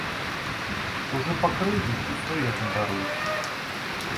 Чужы пакрыўдзіў і свае ж не даруюць.